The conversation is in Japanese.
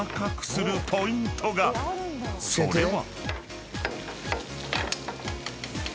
［それは］